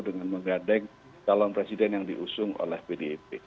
dengan menggadeng calon presiden yang diusung oleh bdep